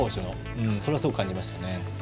それはすごく感じましたね。